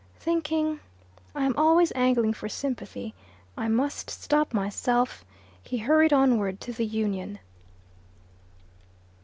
Thinking "I am always angling for sympathy; I must stop myself," he hurried onward to the Union.